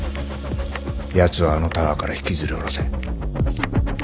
やつをあのタワーから引きずり下ろせ。